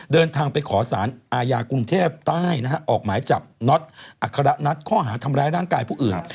เดินทางไปขอสารอาญากรุงเทพใต้นะฮะออกหมายจับน็อตอัคระนัทข้อหาทำร้ายร่างกายผู้อื่น